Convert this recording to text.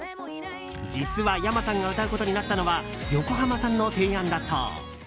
実はｙａｍａさんが歌うことになったのは横浜さんの提案だそう。